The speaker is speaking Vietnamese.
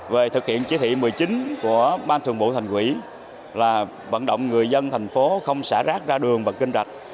về thực hiện chỉ thị một mươi chín của bang thư vụ thành ủy là vận động người dân thành phố không xả rác ra đường và kênh rạch